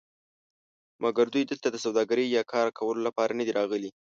مګر دوی دلته د سوداګرۍ یا کار کولو لپاره ندي راغلي.